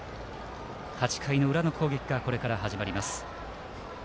８回の裏の攻撃がこれから始まります。